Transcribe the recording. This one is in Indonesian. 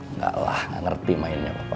enggak lah nggak ngerti mainnya papa